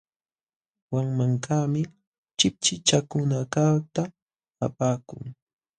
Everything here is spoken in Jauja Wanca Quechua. Wanmankaqmi chipchichakunakaqta apakun.